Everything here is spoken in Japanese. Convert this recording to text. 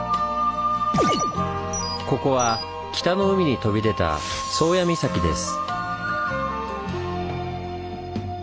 ここは北の海に飛び出た宗谷岬です。